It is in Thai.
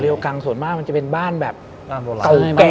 เรียวกังส่วนมากมันจะเป็นบ้านแบบเก่าแก่